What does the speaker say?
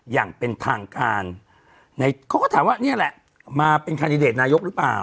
อย่างเป็นทางการในเขาก็ถามว่านี่แหละมาเป็นคันดิเดตนายกหรือเปล่า